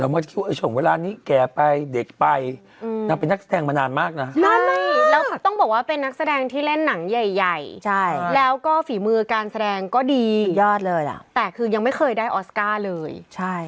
มิเชลโยเป็นนักแสดงชาวมาเลเซียใช่ไหม